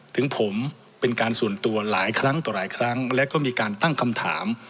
ถึงผมเป็นการส่วนตัวหลายครั้งต่อหลายครั้งและก็มีการตั้งคำถาม